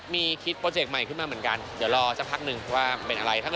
มีคิดโปรเจคใหม่ขึ้นมาเหมือนกัน